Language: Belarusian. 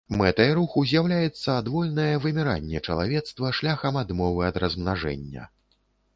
Мэтай руху з'яўляецца адвольнае выміранне чалавецтва шляхам адмовы ад размнажэння.